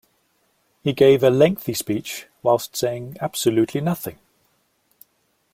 He gave a lengthy speech, whilst saying absolutely nothing.